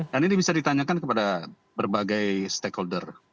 dan ini bisa ditanyakan kepada berbagai stakeholder